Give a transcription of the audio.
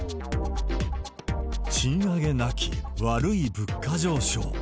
賃上げなき、悪い物価上昇。